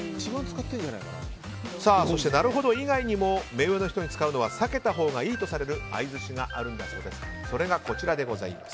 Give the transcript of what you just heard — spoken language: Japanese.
そして、なるほど以外にも目上の人に使うのは避けたほうがいいとされる相づちがあるんだそうです。